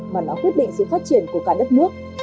mà nó quyết định sự phát triển của cả đất nước